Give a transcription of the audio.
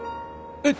えっ！